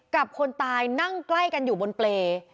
คนตายนั่งใกล้กันอยู่บนเปรย์